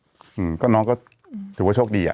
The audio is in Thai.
อืมก็น้องก็ถือว่าโชคดีอ่ะ